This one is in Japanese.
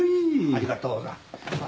ありがとうさん。